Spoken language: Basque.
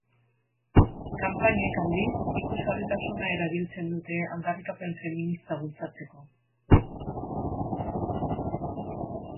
Kanpainek, aldiz, ikusgarritasuna erabiltzen dute aldarrikapen feminista bultzatzeko.